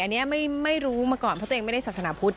อันนี้ไม่รู้มาก่อนเพราะตัวเองไม่ได้ศาสนาพุทธ